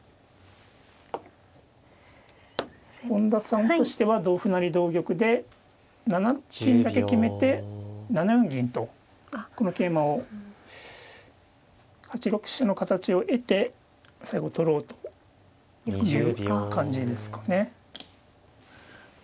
本田さんとしては同歩成同玉で７六金だけ決めて７四銀とこの桂馬を８六飛車の形を得て最後取ろうという感じですかね。